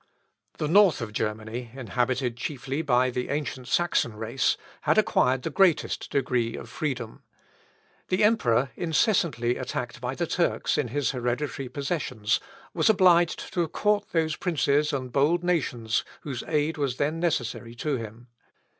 The north of Germany, inhabited chiefly by the ancient Saxon race, had acquired the greatest degree of freedom. The emperor, incessantly attacked by the Turks in his hereditary possessions, was obliged to court those princes and bold nations whose aid was then necessary to him.